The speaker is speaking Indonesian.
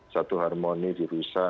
satu harmony dirusak